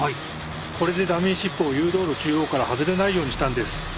これでダミーシップを誘導路中央から外れないようにしたんです。